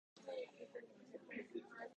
「お疲れ様です」って、本当に便利な言葉だと思わない？